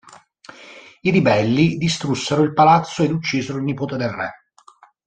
I ribelli distrussero il palazzo ed uccisero il nipote del re.